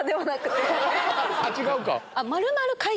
違うか。